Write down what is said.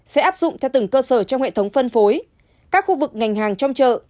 sẽ áp dụng theo từng cơ sở trong hệ thống phân phối các khu vực ngành hàng trong chợ